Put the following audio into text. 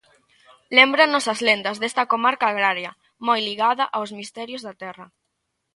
Lémbrannos as lendas desta comarca agraria, moi ligada aos misterios da terra.